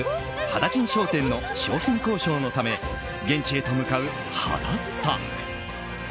羽田甚商店の商品交渉のため現地へと向かう羽田さん。